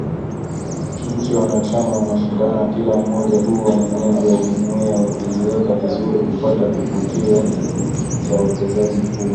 Nchi wanachama wanashindana kila mmoja kuwa mwenyeji wa jumuiya, wakijiweka vizuri kupata kivutio cha uwekezaji mkubwa.